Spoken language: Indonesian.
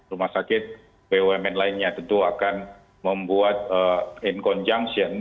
rumah sakit bumn lainnya tentu akan membuat in conjunction